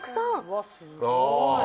うわすごい！